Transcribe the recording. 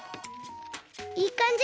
いいかんじ。